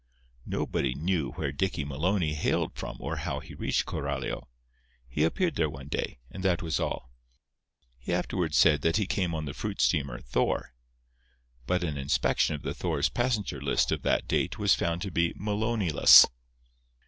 Nobody knew where Dicky Maloney hailed from or how he reached Coralio. He appeared there one day; and that was all. He afterward said that he came on the fruit steamer Thor; but an inspection of the Thor's passenger list of that date was found to be Maloneyless.